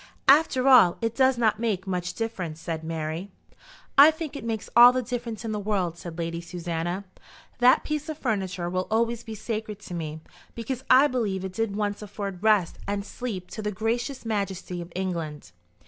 "After all it does not make much difference," said Mary. "I think it makes all the difference in the world," said Lady Susanna. "That piece of furniture will always be sacred to me, because I believe it did once afford rest and sleep to the gracious majesty of England."